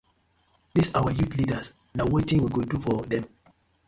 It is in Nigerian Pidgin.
Dis our youth leaders na wetin we go do for dem.